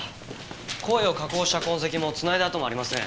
声を加工した痕跡もつないだ跡もありません。